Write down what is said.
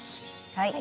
はい。